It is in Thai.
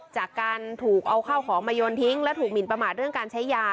จากการถูกเอาข้าวของมาโยนทิ้งและถูกหมินประมาทเรื่องการใช้ยา